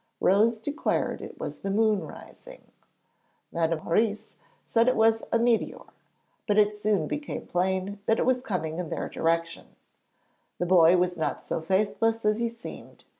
Rose declared it was the moon rising, Mme. Maurice that it was a meteor, but it soon became plain that it was coming in their direction. The boy was not so faithless as he seemed.